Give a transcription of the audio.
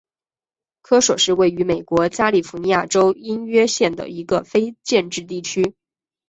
科索是位于美国加利福尼亚州因约县的一个非建制地区。